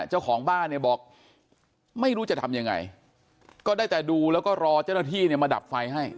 เจ้าของบ้านเนี่ยบอกไม่รู้จะทำยังไงก็ได้แต่ดูแล้วก็รอเจ้าหน้าที่เนี่ยมาดับไฟให้